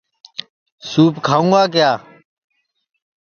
سُوپ کھاؤں گا